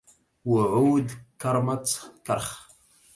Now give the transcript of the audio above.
وعود كرمة كرخ